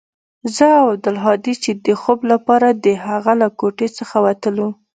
زه او عبدالهادي چې د خوب لپاره د هغه له کوټې څخه وتلو.